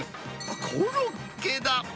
コロッケだ。